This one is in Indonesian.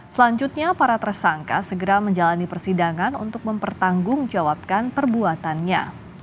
selanjutnya para tersangka segera menjalani persidangan untuk mempertanggungjawabkan perbuatannya